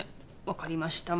分かりました。